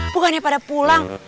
bukannya pada pulang